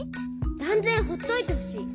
だんぜんほっといてほしい。